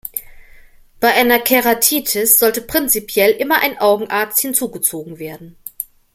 Bei einer Keratitis sollte prinzipiell immer ein Augenarzt hinzugezogen werden.